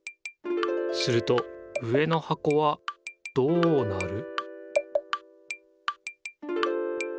すると上のはこはどうなる？